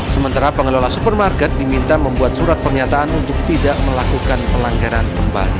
sementara pengelola supermarket diminta membuat surat pernyataan untuk tidak melakukan pelanggaran kembali